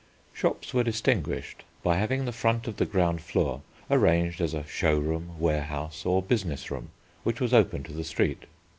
Shops were distinguished by having the front of the ground floor arranged as a show room, warehouse, or business room which was open to the street.